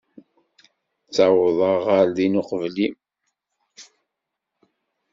Ttawḍeɣ ɣer din uqbel-im.